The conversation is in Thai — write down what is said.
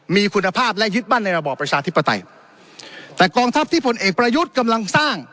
มีคุณภาพและยึดมั่นในระบอบประชาธิปไตยแต่กองทัพที่ผลเอกประยุทธ์กำลังสร้าง